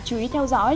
chú ý theo dõi